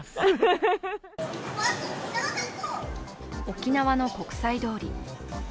沖縄の国際通り。